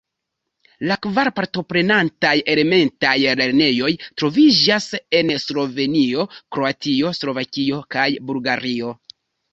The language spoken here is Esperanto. La kvar partoprenontaj elementaj lernejoj troviĝas en Slovenio, Kroatio, Slovakio kaj Bulgario.